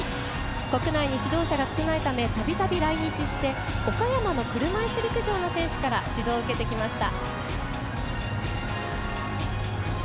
国内に指導者が少ないためたびたび来日して岡山の車いす陸上の選手から指導を受けてきました。